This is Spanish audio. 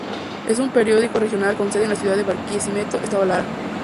Es un periódico regional con sede en la ciudad de Barquisimeto, Estado Lara.